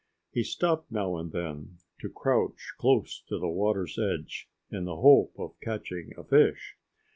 He stopped now and then, to crouch close to the water's edge, in the hope of catching a fish.